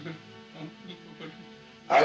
itu yang perlu